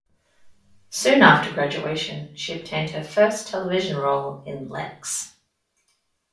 Soon after graduation, she obtained her first television role in "Lexx".